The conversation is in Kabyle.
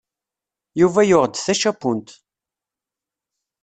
Yuba yuɣ-d tačapunt.